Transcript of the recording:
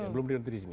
belum berhenti di sini